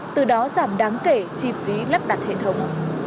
từ đó giảm đáng kể chi phí lắp đặt hệ thống